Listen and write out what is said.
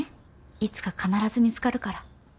いつか必ず見つかるから。